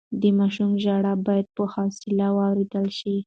د ماشوم ژړا بايد په حوصله واورېدل شي.